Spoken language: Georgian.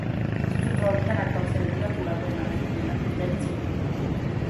ძუძუმწოვრებიდან აქ გავრცელებულია ტურა, კვერნა, მაჩვი, მელა, კურდღელი, ციყვი.